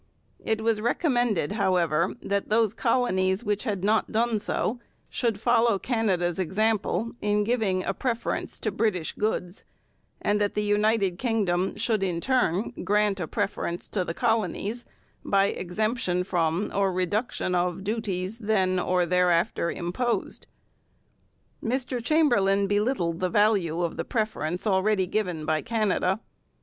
It was recommended, however, that those colonies which had not done so should follow Canada's example in giving a preference to British goods, and that the United Kingdom should in turn grant a preference to the colonies by exemption from or reduction of duties then or thereafter imposed. Mr Chamberlain belittled the value of the preference already given by Canada.